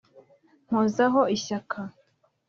mpozaho ishyaka